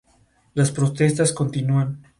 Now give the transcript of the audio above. Las protestas continúan.